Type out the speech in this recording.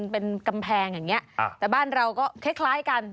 เป็นกำแพงอย่างนี้แต่บ้านเราก็คล้ายกัน